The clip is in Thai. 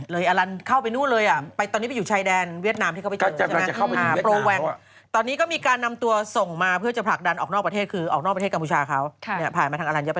อลันเข้าไปนู่นเลยตอนนี้ไปอยู่ชายแดนเวียดนามที่เขาไปเจอใช่ไหม